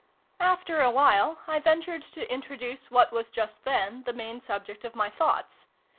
After a while I ventured to introduce what was just then the main subject of my thoughts.